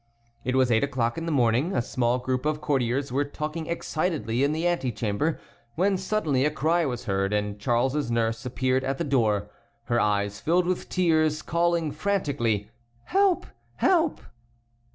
It was eight o'clock in the morning. A small group of courtiers were talking excitedly in the antechamber, when suddenly a cry was heard, and Charles's nurse appeared at the door, her eyes filled with tears, calling frantically: "Help! Help!"